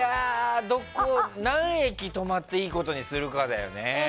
何駅、止まっていいことにするかだよね。